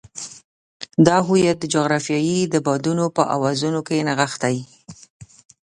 دا هویت د جغرافیې د بادونو په اوازونو کې نغښتی.